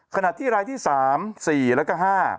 ขณะที่รายที่๓๔แล้วก็๕